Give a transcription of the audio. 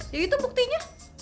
ya itu buktinya